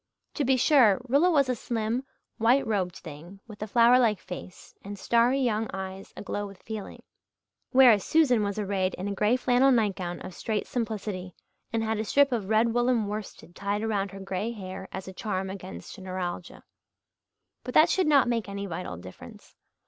To be sure, Rilla was a slim, white robed thing, with a flower like face and starry young eyes aglow with feeling; whereas Susan was arrayed in a grey flannel nightgown of strait simplicity, and had a strip of red woollen worsted tied around her grey hair as a charm against neuralgia. But that should not make any vital difference.